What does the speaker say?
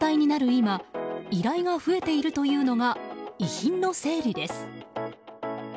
今依頼が増えているというのが遺品の整理です。